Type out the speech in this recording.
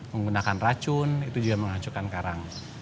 menggunakan racun itu juga menghancurkan karang